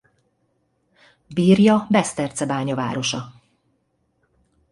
Birja Beszterczebánya városa.